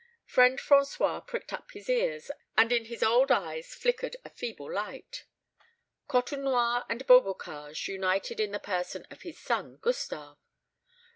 Friend François pricked up his ears, and in his old eyes flickered a feeble light. Côtenoir and Beaubocage united in the person of his son Gustave!